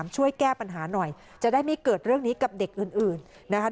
ช่วยแก้ปัญหาหน่อยจะได้ไม่เกิดเรื่องนี้กับเด็กอื่นนะคะ